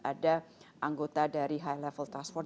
ada anggota dari high level task force